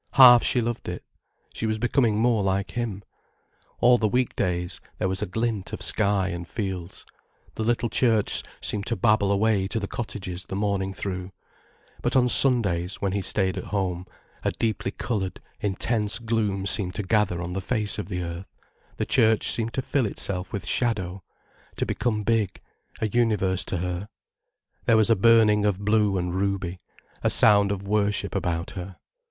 Half she loved it. She was becoming more like him. All the week days, there was a glint of sky and fields, the little church seemed to babble away to the cottages the morning through. But on Sundays, when he stayed at home, a deeply coloured, intense gloom seemed to gather on the face of the earth, the church seemed to fill itself with shadow, to become big, a universe to her, there was a burning of blue and ruby, a sound of worship about her.